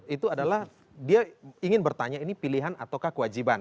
itu adalah dia ingin bertanya ini pilihan ataukah kewajiban